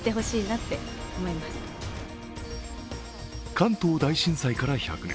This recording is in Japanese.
「関東大震災から１００年